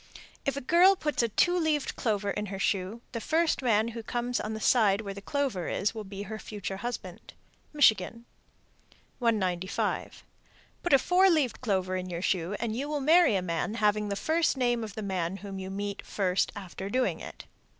If a girl puts a two leaved clover in her shoe, the first man who comes on the side where the clover is will be her future husband. Michigan. 195. Put a four leaved clover in your shoe, and you will marry a man having the first name of the man whom you meet first after doing it.